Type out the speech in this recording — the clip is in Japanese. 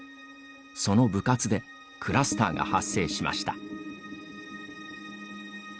その部活でクラスターが発生しました。